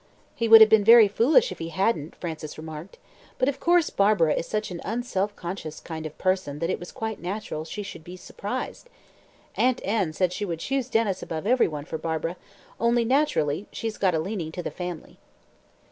"He would have been very foolish if he hadn't," Frances remarked. "But, of course, Barbara is such an unself conscious kind of person that it was quite natural she should be surprised. Aunt Anne says she would choose Denys above every one for Barbara only, naturally, she's got a leaning to the family."